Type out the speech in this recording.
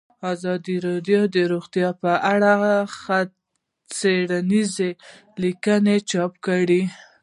ازادي راډیو د روغتیا په اړه څېړنیزې لیکنې چاپ کړي.